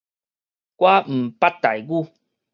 我毋捌台語